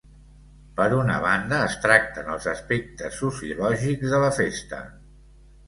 Per una banda es tracten els aspectes sociològics de la festa.